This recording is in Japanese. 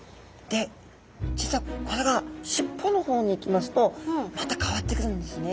で実はこれがしっぽの方にいきますとまた変わってくるんですね。